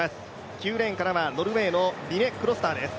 ９レーンからはノルウェーのリネ・クロスターです。